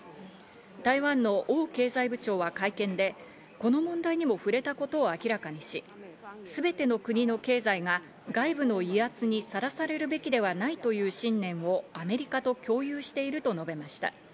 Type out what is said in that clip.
台湾のオウ経済部長は会見でこの問題にも触れたことを明らかにし、すべての国の経済が外部の威圧にさらされるべきではないという信念をアメリカと共有していると述べました。